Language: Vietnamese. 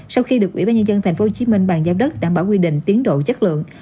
sau khi được ủy ban nhân dân tp hcm bàn giao đất đảm bảo quy định tiến độ chất lượng